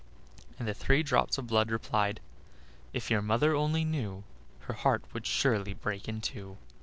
and the three drops of blood replied: "If your mother only knew, Her heart would surely break in two."